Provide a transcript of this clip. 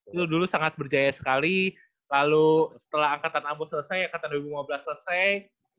itu dulu sangat berjaya sekali lalu setelah angkatan abu selesai angkatan dua ribu lima belas selesai